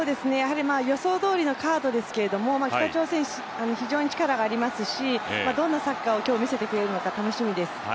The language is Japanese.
予想どおりのカードですけれども北朝鮮、非常に力がありますしどんなサッカーを今日見せてくれるのか楽しみです。